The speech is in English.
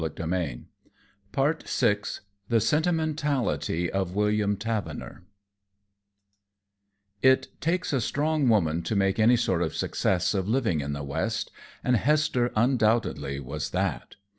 '" Cosmopolitan, April 1900 The Sentimentality of William Tavener It takes a strong woman to make any sort of success of living in the West, and Hester undoubtedly was that.